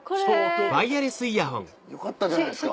よかったじゃないですか。